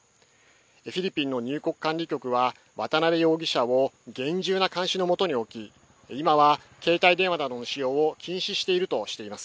フィリピンの入国管理局は渡邉容疑者を厳重な監視の下に置き今は携帯電話などの使用を禁止しているとしています。